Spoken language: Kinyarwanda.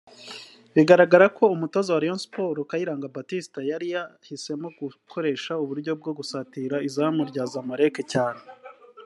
Bigaragara ko umutoza wa Rayon Sports Kayiranga Baptiste yari yahisemo gukoresha uburyo bwo gusatira izamu rya Zamalaek cyane